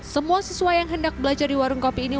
semua siswa yang hendak belajar di warung kopi ini